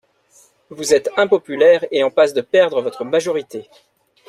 Vous êtes impopulaire et en passe de perdre votre majorité.